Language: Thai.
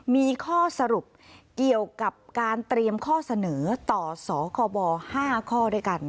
มีข้อสรุปเกี่ยวกับการเตรียมข้อเสนอต่อสคบ๕ข้อด้วยกัน